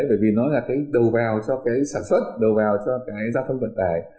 bởi vì nó là cái đầu vào cho cái sản xuất đầu vào cho cái giao thông vận tải